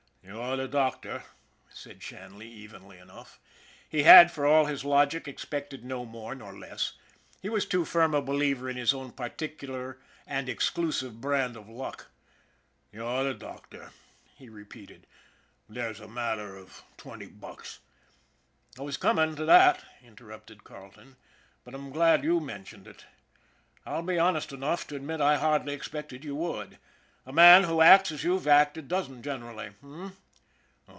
"' You're the doctor," said Shanley evenly enough. He had, for all his logic, expected no more nor less he was too firm a believer in his own particular and ex clusive brand of luck. " You're the doctor," he re peated. " There's a matter of twenty bucks "" I was coming to that," interrupted Carleton ;" but I'm glad you mentioned it. I'll be honest enough to admit that I hardly expected you would. A man who acts as you've acted doesn't generally h'm?